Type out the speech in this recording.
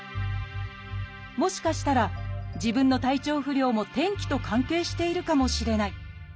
「もしかしたら自分の体調不良も天気と関係しているかもしれない」。